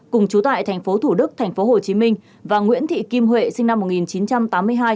cùng chú tại tp thủ đức tp hcm và nguyễn thị kim huệ sinh năm một nghìn chín trăm tám mươi hai